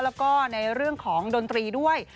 แล้วก็ในเรื่องของดนตรีด้วย